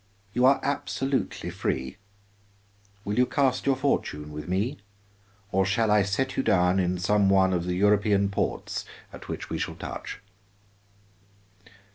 You are absolutely free; will you cast your fortune with me, or shall I set you down in some one of the European ports at which we shall touch?"